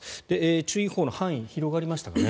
注意報の範囲が広がりましたかね。